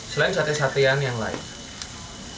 selain sate satean yang lain